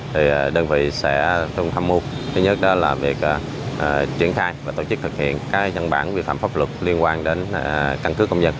thì đơn vị sẽ thu tham mưu thứ nhất đó là việc triển khai và tổ chức thực hiện các dân bản vi phạm pháp luật liên quan đến căn cước công dân